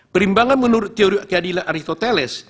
perimbangan menurut teori keadilan aritoteles